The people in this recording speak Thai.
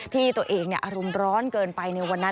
ที่ตัวเองอารมณ์ร้อนเกินไปในวันนั้น